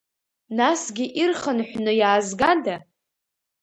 Насгьы, ирхынҳәны иаазгада?